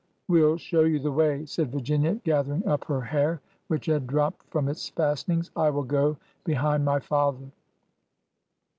'' We 'll show you the way," said Virginia, gathering up her hair, which had dropped from its fastenings. '' I will go behind my father."